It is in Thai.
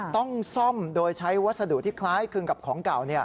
ต้องซ่อมโดยใช้วัสดุที่คล้ายคลึงกับของเก่า